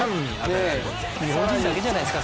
日本人だけじゃないですか？